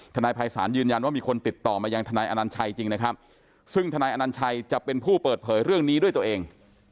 นายภัยศาลยืนยันว่ามีคนติดต่อมายังทนายอนัญชัยจริงนะครับซึ่งทนายอนัญชัยจะเป็นผู้เปิดเผยเรื่องนี้ด้วยตัวเอง